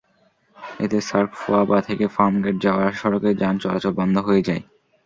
এতে সার্ক ফোয়ারা থেকে ফার্মগেট যাওয়ার সড়কে যান চলাচল বন্ধ হয়ে যায়।